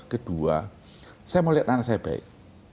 kedua saya mau lihat anak saya baik